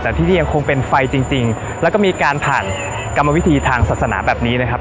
แต่ที่นี่ยังคงเป็นไฟจริงแล้วก็มีการผ่านกรรมวิธีทางศาสนาแบบนี้นะครับ